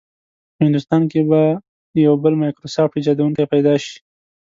په هندوستان کې به یو بل مایکروسافټ ایجادونکی پیدا شي.